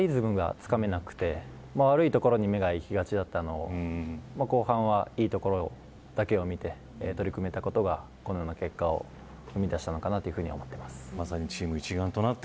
なかなかリズムがつかめなくて悪いところに目がいきがちだったのを後半はいいところだけを見て取り組めたところがこういった結果を生み出したのかなと思います。